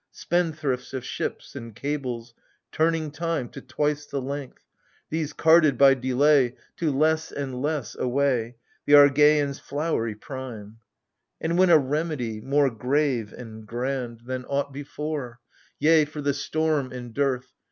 Spendthrifts of ships and cables, turning time To twice the length, — these carded, by delay, To less and less away The Argeians' flowery prime : And when a remedy more grave and grand c 1 8 AGAMEMNON. Than aught before, — yea, for the storm and dearth.